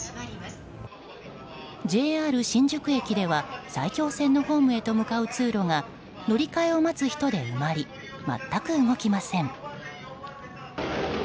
ＪＲ新宿駅では、埼京線のホームへと向かう通路が乗り換えを待つ人で埋まり全く動きません。